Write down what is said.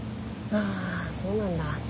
ああそうなんだ。